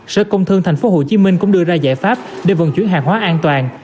sở công thương thành phố hồ chí minh cũng đưa ra giải pháp để vận chuyển hàng hóa an toàn